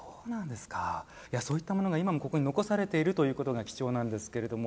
そういったものが今もここに残されているということが貴重なんですけれども。